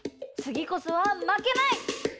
つぎこそはまけない！